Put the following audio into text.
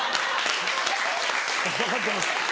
分かってます。